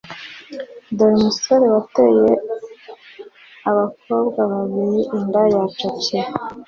Dore wa umsore wateye abakobwa babiri inda yacakiwe